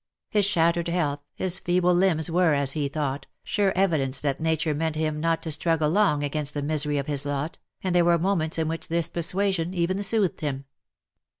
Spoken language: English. His shattered health, his feeble limbs were, as he thought, sure evidence that nature meant him not to struggle long against the misery of his lot, and there were moments in which this persuasion even soothed him.